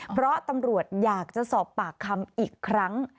เพราะตำรวจอยากจะสอบปากคำอีกครั้ง